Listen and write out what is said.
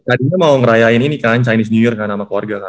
tadinya mau ngerayain ini kan chinese neur kan sama keluarga kan